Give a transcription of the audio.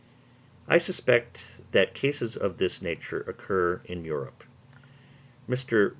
I suspect that cases of this nature occur in Europe. Mr.